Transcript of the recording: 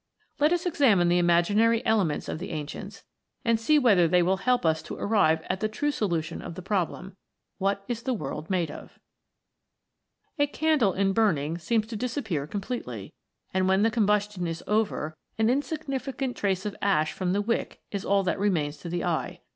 Let us examine the imaginary elements of the ancients, and see whether they will help us to arrive at the true solution of the problem what is the world made of? A candle in burning seems to disappear com pletely, and when the combustion is over, an insig nificant trace of ash from the wick is all that remains to the eye.